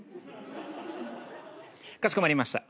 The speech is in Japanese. かしこまりました。